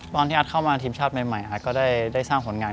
ตอนที่อัดเข้ามาทีมชาติใหม่อาร์ตก็ได้สร้างผลงาน